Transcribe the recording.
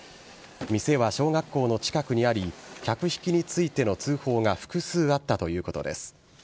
店は小学校の近くにあり、客引きについての通報が複数あったということです。